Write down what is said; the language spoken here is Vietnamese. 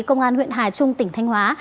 công an huyện hà trung tỉnh thanh hóa